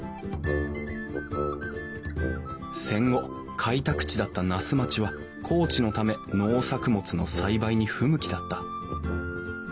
戦後開拓地だった那須町は高地のため農作物の栽培に不向きだった。